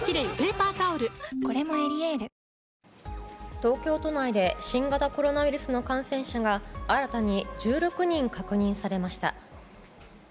東京都内で新型コロナウイルスの感染者が新たに１６人、確認されました。